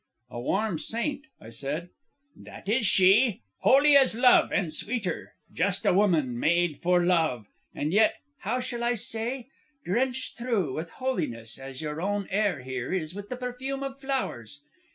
"A warm saint," I said. "That is she! Holy as Love, and sweeter! Just a woman, made for love; and yet how shall I say? drenched through with holiness as your own air here is with the perfume of flowers.